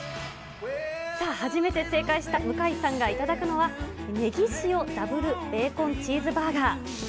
さあ、初めて正解した向井さんが頂くのは、ネギ塩ダブルベーコンチーズバーガー。